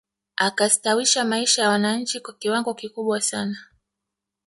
Akastawisha maisha ya wananchi kwa kiwango kikubwa sana